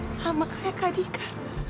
sama kayak kak dika